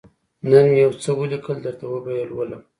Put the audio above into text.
_نن مې يو څه ولېکل، درته وبه يې لولم.